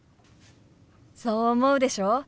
そう思うでしょ？